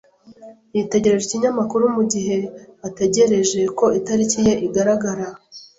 Yitegereje ikinyamakuru mugihe ategereje ko itariki ye igaragara.